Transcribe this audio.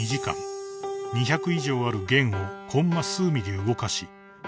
［２００以上ある弦をコンマ数ｍｍ動かし音を探る］